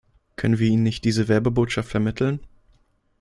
Können wir ihnen nicht diese Werbebotschaft vermitteln?